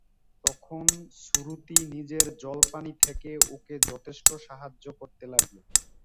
তখন সুরীতি নিজের জলপানি থেকে ওকে যথেষ্ট সাহায্য করতে লাগল।